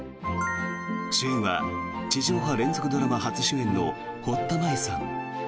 主演は地上波連続ドラマ初主演の堀田真由さん。